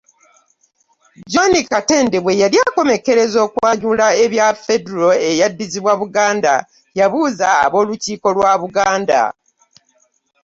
John Katende bwe yali akomekkereza okwanjula ebya Federo eyaddizibbwa Buganda yabuuza ab’Olukiiko lwa Buganda.